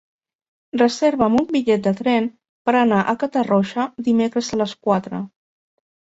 Reserva'm un bitllet de tren per anar a Catarroja dimecres a les quatre.